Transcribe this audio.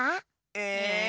え？